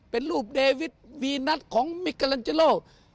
เป็นรูปเดวิทวีนัทของมิกาลันเจโล